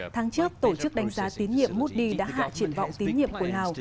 tháng trước tổ chức đánh giá tín nhiệm moody đã hạ triển vọng tín nhiệm của lào